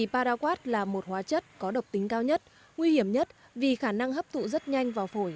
paraquat là một hóa chất có độc tính cao nhất nguy hiểm nhất vì khả năng hấp thụ rất nhanh vào phổi